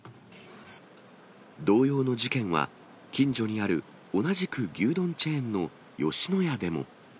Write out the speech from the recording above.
同様の事件は、近所にある同じく牛丼チェーンの吉野家でも。